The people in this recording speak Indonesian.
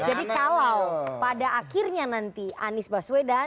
jadi kalau pada akhirnya nanti anies baswedan